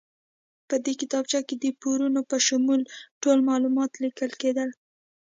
په دې کتابچه کې د پورونو په شمول ټول معلومات لیکل کېدل.